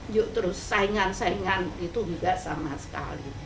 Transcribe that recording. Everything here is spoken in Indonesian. yuk terus saingan saingan itu juga sama sekali